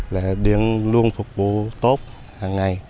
là điện luôn phục vụ tốt hằng ngày